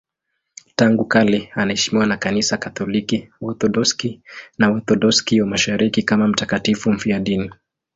Tangu kale anaheshimiwa na Kanisa Katoliki, Waorthodoksi na Waorthodoksi wa Mashariki kama mtakatifu mfiadini.